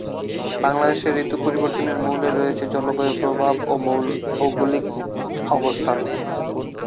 বাংলাদেশের ঋতু পরিবর্তনের মূলে রয়েছে জলবায়ুর প্রভাব ও ভৌগলিক অবস্থান।